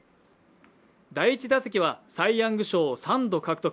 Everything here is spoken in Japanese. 第１打席はサイ・ヤング賞３度獲得。